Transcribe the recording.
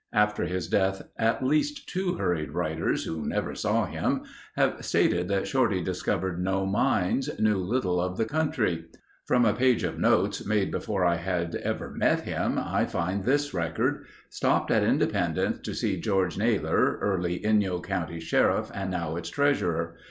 After his death at least two hurried writers who never saw him have stated that Shorty discovered no mines, knew little of the country. From a page of notes made before I had ever met him, I find this record: "Stopped at Independence to see George Naylor, early Inyo county sheriff and now its treasurer.